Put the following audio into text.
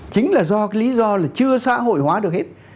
chính là do cái lý do là chưa xã hội hóa được hết